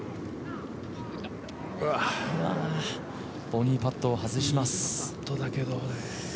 ボギーパットを外します。